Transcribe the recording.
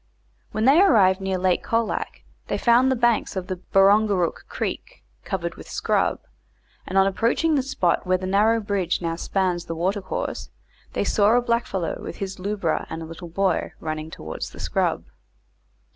When they arrived near Lake Colac they found the banks of the Barongarook Creek covered with scrub, and on approaching the spot where the bridge now spans the watercourse, they saw a blackfellow with his lubra and a little boy, running towards the scrub.